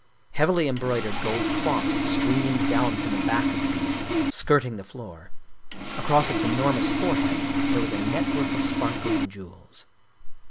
Heavily embroi dered gold cloths streamed down from the back of the beast, skirting the floor ; across its enormous forehead there was a network of sparkling jewels.